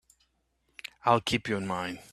I'll keep you in mind.